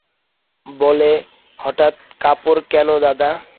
বলে, হঠাৎ কাপড় কেন দাদা?